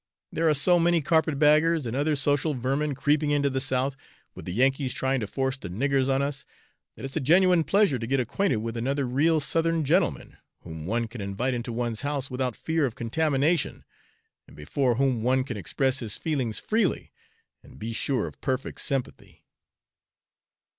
There are so many carpet baggers and other social vermin creeping into the South, with the Yankees trying to force the niggers on us, that it's a genuine pleasure to get acquainted with another real Southern gentleman, whom one can invite into one's house without fear of contamination, and before whom one can express his feelings freely and be sure of perfect sympathy."